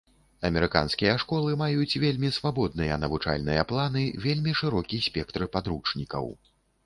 Амерыканскія школы маюць вельмі свабодныя навучальныя планы, вельмі шырокі спектр падручнікаў.